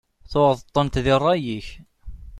Tuɣeḍ-tent di rray-ik.